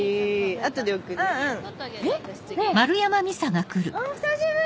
あ久しぶり！